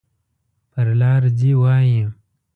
پر لار ځي وایي.